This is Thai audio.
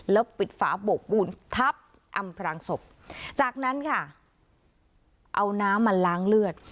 แล้วปิดฝาบกปูนทับอำพรางศพจากนั้นค่ะเอาน้ำมาล้างเลือด